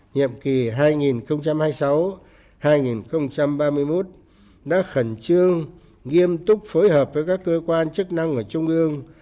nhiệm kỳ hai nghìn hai mươi sáu hai nghìn ba mươi một đã khẩn trương nghiêm túc phối hợp với các cơ quan chức năng ở trung ương